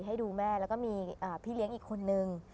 ให้ดูแม่แล้วก็มีพี่เลี้ยงอีกคนนึง